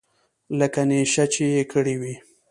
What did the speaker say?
لکه نېشه چې يې کړې وي.